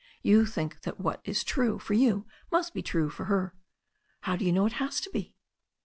You think that what is true for you must be true for her. How do you know it has to be?